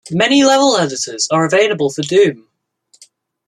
Many level editors are available for "Doom".